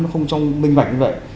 không trong minh vạch như vậy